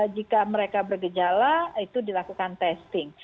jika mereka bergejala itu dilakukan testing